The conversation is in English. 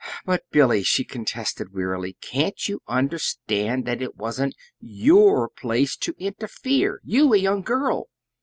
"But, Billy," she contested, wearily, "can't you understand that it wasn't YOUR place to interfere you, a young girl?"